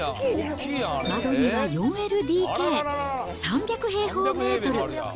間取りは４ＬＤＫ、３００平方メートル。